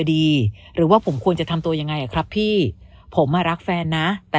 ดีหรือว่าผมควรจะทำตัวยังไงอ่ะครับพี่ผมอ่ะรักแฟนนะแต่